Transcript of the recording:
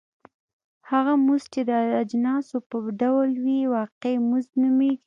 هغه مزد چې د اجناسو په ډول وي واقعي مزد نومېږي